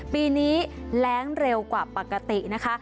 ปีนี้แรงเร็วกว่าปกตินะคะ